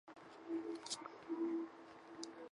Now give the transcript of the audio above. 选集是由作者选择自己的一些作品收录而成的。